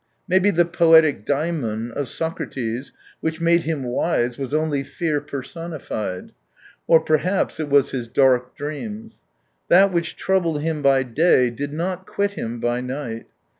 Maybe the poetic daimon of Socrates, which made him wise, was only fear personified. Or perhaps it was his dark dreams. That which troubled him by day did not quit him by night.